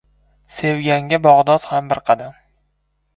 • Sevganga Bag‘dod ham bir qadam.